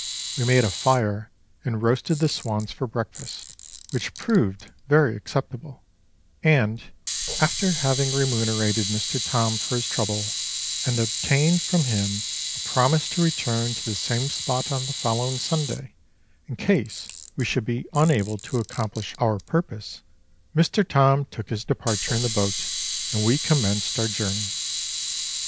We made a fire and roasted the swans for breakfast, which proved very acceptable, and, after having remunerated Mr. Thorn for his trouble, and obtained from him a promise to return to the same spot on the following Sunday, in case we should be unable to accomplish our purpose, Mr. Thorn took his departure in the boat, and we commenced our journey.